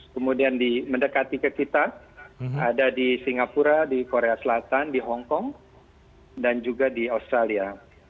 kemudian mendekati ke kita ada di singapura di korea selatan di hongkong dan juga di australia